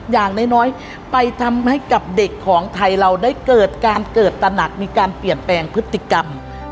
อย่างน้อยไปทำให้กับเด็กของไทยเราได้เกิดการเกิดตระหนักมีการเปลี่ยนแปลงพฤติกรรม